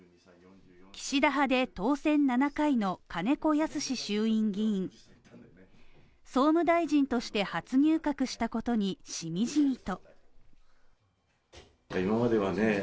岸田派で当選７回の金子恭之衆院議員総務大臣して初入閣したことにしみじみと。